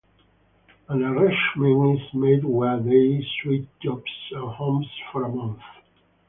An arrangement is made where they switch jobs and homes for a month.